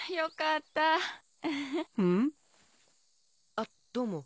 あっどうも。